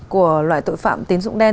của loại tội phạm tín dụng đen